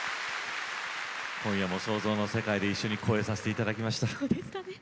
今夜も想像の世界で一緒に越えさせていただきました。